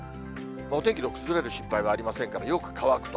お天気の崩れる心配はありませんから、よく乾くと。